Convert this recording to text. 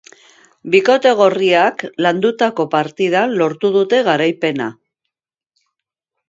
Bikote gorriak landutako partidan lortu dute garaipena.